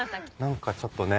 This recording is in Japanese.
なんかちょっとね。